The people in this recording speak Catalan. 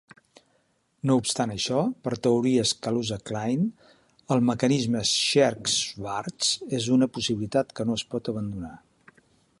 No obstant això, per teories Kaluza-Klein, el mecanisme Scherk-Schwarz és una possibilitat que no es pot abandonar.